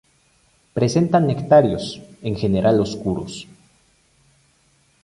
Presentan nectarios, en general oscuros.